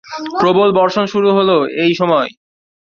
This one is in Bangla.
প্রবল বর্ষণ শুরু হলো এই সময়।